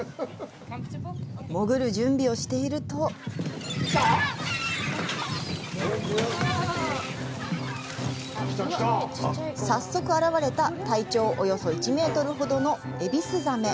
潜る準備をしていると早速あらわれた体長およそ１メートルほどのエビスザメ。